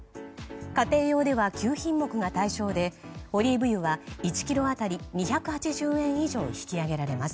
家庭用では９品目が対象でオリーブ油は１ｋｇ当たり２８０円以上引き上げられます。